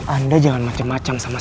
anda jangan macem macem sama saya